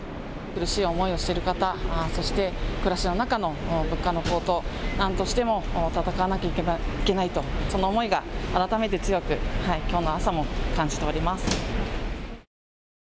苦しい思いをしている方、暮らしの中で物価の高騰、何としても戦わないといけないとその思いが改めて強く、きょうの朝も感じております。